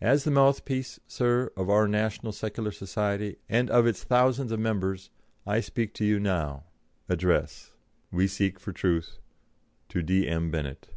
As the mouthpiece, Sir, of our National Secular Society, and of its thousands of members, I speak to you now: "'ADDRESS. "'We seek for Truth.' "'To D.M. Bennett.